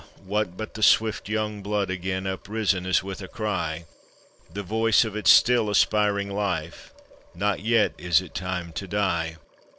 what but the swift young blood again, Uprisen as with a cry — The voice of its still aspiring life " Not yet is it time to die